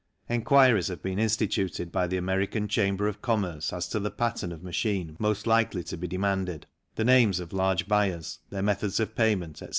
En quiries have been instituted by the American Chamber of Commerce as to the pattern of machine most likely to be demanded, the names of large buyers, their methods of payment, etc.